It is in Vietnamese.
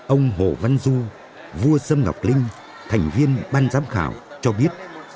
ông hồ văn du vua sâm ngọc linh thành viên ban giám khảo cho biết